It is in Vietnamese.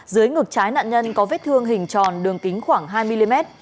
dưới ngược trái nạn nhân có vết thương hình tròn đường kính khoảng hai mm